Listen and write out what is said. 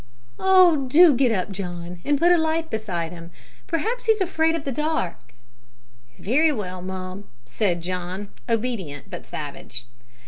"Oh! do get up, John, and put a light beside him; perhaps he's afraid of the dark." "Very well, mum," said John, obedient but savage.